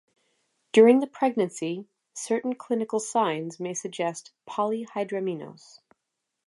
During the pregnancy, certain clinical signs may suggest polyhydramnios.